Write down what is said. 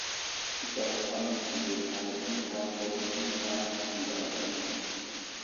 Zakw aməslige hay ənta aghur ənta andra gwadam.